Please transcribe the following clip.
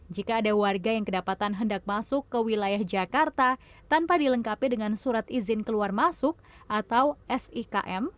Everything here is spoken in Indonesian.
jika ada warga yang kedapatan hendak masuk ke wilayah jakarta tanpa dilengkapi dengan surat izin keluar masuk atau sikm